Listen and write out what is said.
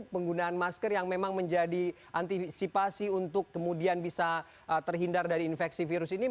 penggunaan masker yang memang menjadi antisipasi untuk kemudian bisa terhindar dari infeksi virus ini